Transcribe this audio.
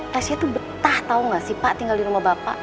tasya tuh betah tau gak sih pak tinggal di rumah bapak